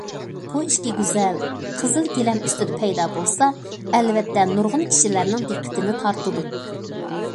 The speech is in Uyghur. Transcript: بۇ ئىككى گۈزەل قىزىل گىلەم ئۈستىدە پەيدا بولسا ئەلۋەتتە نۇرغۇن كىشىلەرنىڭ دىققىتىنى تارتىدۇ.